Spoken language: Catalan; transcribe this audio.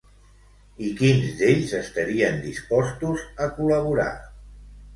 I quins d'ells estarien dispostos a col·laborar?